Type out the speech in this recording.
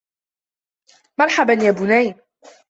مرحبا يا بنيّ